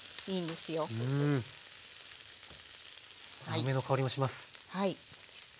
梅の香りもします。